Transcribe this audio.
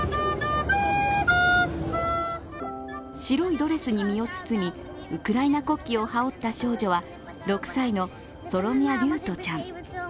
白いドレスに身を包み、ウクライナ国旗を羽織った少女は６歳のソロミャ・リュートちゃん。